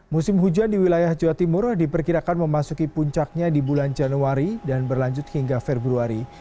musim hujan di wilayah jawa timur diperkirakan memasuki puncaknya di bulan januari dan berlanjut hingga februari